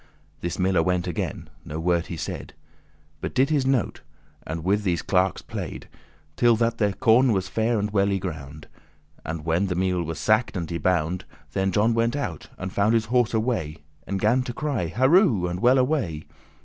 This miller went again, no word he said, But did his note*, and with these clerkes play'd, *business <12> Till that their corn was fair and well y ground. And when the meal was sacked and y bound, Then John went out, and found his horse away, And gan to cry, "Harow, and well away!